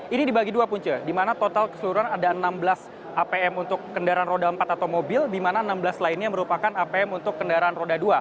ini dibagi dua punca di mana total keseluruhan ada enam belas apm untuk kendaraan roda empat atau mobil di mana enam belas lainnya merupakan apm untuk kendaraan roda dua